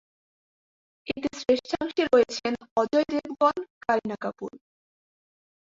এতে শ্রেষ্ঠাংশে রয়েছেন অজয় দেবগন, কারিনা কাপুর।